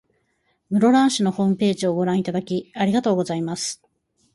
室蘭市のホームページをご覧いただき、ありがとうございます。